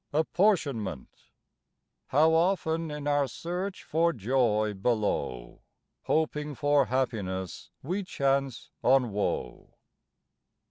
APPORTIONMENT. How often in our search for joy below Hoping for happiness we chance on woe.